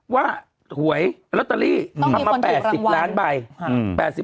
หวยลอตเตอรี่ทำมา๘๐ล้านใบ